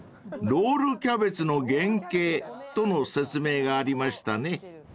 ［ロールキャベツの原型との説明がありましたね］